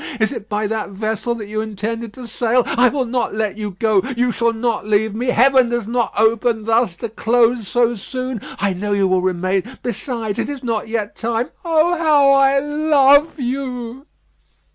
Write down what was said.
Is it by that vessel that you intended to sail? I will not let you go. You shall not leave me. Heaven does not open thus to close so soon. I know you will remain. Besides, it is not yet time. Oh! how I love you."